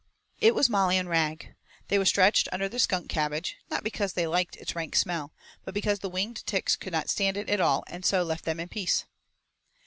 It was Molly and Rag. They were stretched under the skunk cabbage, not because they liked its rank smell, but because the winged ticks could not stand it at all and so left them in peace.